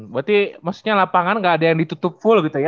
berarti maksudnya lapangan gak ada yang ditutup full gitu ya